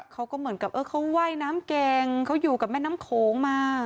ค่อก็เหมือนกับเขาไหว้น้ำแกงเขาอยู่กับแม่น้ำโคนมา